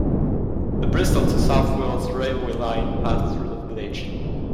The Bristol to South Wales railway line passed through the village.